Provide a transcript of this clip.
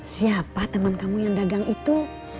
siapa teman kamu yang dagang itu